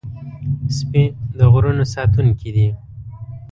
سپي د غرونو ساتونکي دي.